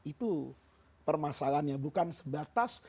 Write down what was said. itu permasalahannya bukan sebatas